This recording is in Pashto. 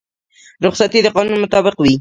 رخصتي د قانون مطابق وي